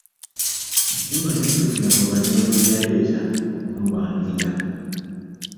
Juma yaddukira mu Banyoro be yaleeta okumulwanirira.